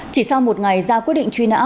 chỉ sau một ngày ra quyết định truy nã